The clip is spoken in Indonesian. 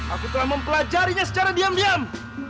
aku telah mempelajarinya secara diam diam